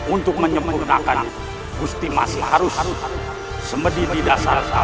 untuk menyembuhkannya bukti masih harus semedi di dasar sawah